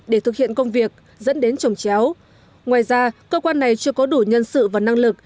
để thực hiện công việc dẫn đến trồng chéo ngoài ra cơ quan này chưa có đủ nhân sự và năng lực